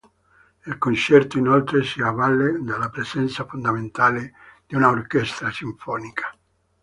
Il concerto, inoltre, si avvale della presenza fondamentale di una orchestra sinfonica.